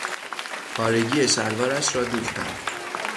پارگی شلوارش را دوختم.